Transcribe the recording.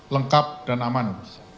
lengkap dan aman